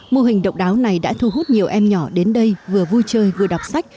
mô hình độc đáo này đã thu hút nhiều em nhỏ đến đây vừa vui chơi vừa đọc sách